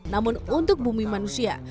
namun untuk bumi manusia